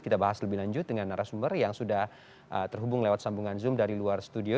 kita bahas lebih lanjut dengan narasumber yang sudah terhubung lewat sambungan zoom dari luar studio